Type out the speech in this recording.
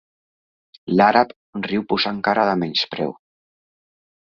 L'àrab riu posant cara de menyspreu.